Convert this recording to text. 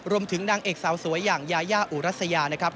นางเอกสาวสวยอย่างยายาอุรัสยานะครับ